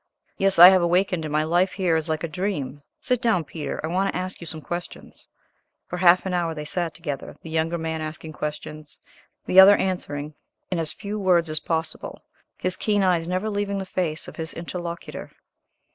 "Yes, I have awakened, and my life here is like a dream. Sit down, Peter; I want to ask you some questions." For half an hour they sat together, the younger man asking questions, the other answering in as few words as possible, his keen eyes never leaving the face of his interlocutor.